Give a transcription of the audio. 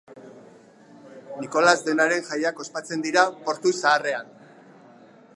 Nikolas Deunaren jaiak ospatzen dira Portu Zaharrean.